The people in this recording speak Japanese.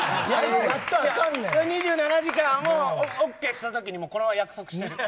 ２７時間をオーケーしたときにこれは約束してる。